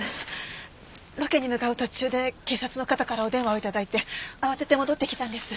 ロケに向かう途中で警察の方からお電話を頂いて慌てて戻ってきたんです。